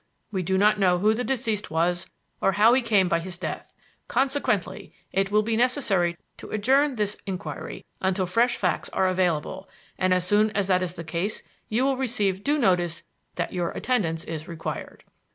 We do not know who the deceased was or how he came by his death. Consequently, it will be necessary to adjourn this inquiry until fresh facts are available, and as soon as that is the case, you will receive due notice that your attendance is required."